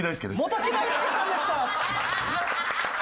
元木大介さんでした！